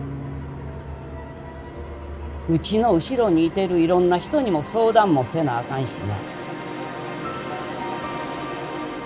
うちの後ろにいてるいろんな人にも相談もせなあかんしな。